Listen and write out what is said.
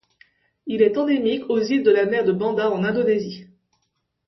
Il est endémique aux îles de la mer de Banda en Indonésie.